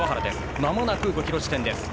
まもなく５ｋｍ地点です。